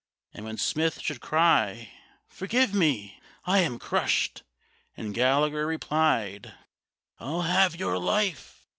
And when Smith should cry, "Forgive me—I am crushed!" and Gallagher Replied, "I'll have your life!"